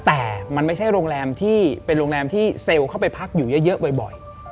แต่มันไม่ใช่โรงแรมที่เป็นโรงแรมที่เซลล์เข้าไปพักอยู่เยอะบ่อย